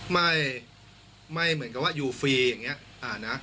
ไม่ไม่เหมือนกับว่าอยู่ฟรีอย่างนี้นะ